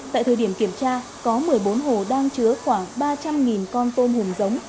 tại thời điểm kiểm tra có một mươi bốn hồ đang chứa khoảng ba trăm linh con tôm hùm giống